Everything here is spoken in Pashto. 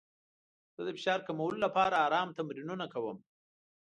زه د فشار کمولو لپاره ارام تمرینونه کوم.